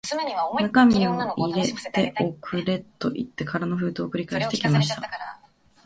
中身を入れて送れ、といって空の封筒を送り返してきました。ところが、Ａ 課の最初の文書以来、何年とはいわないにしても、何カ月かはたっていました。